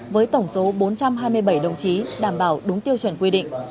với tổng số bốn trăm hai mươi bảy đồng chí đảm bảo đúng tiêu chuẩn quy định